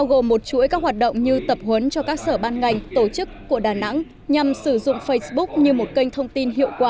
góp phần triển khai đề án xây dựng thành phố thông minh